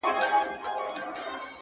پرېښودلای خو يې نسم”